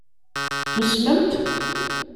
Tusmemt?